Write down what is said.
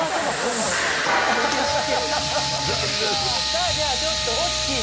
さあじゃあちょっとオッチー